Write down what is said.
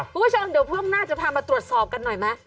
ผู้ชมเดี๋ยวพวกนางจะพามาตรวจสอบกันหน่อยไหม